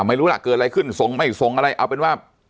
ไม่รู้ล่ะเกิดอะไรขึ้นส่งไม่ส่งอะไรเอาเป็นว่า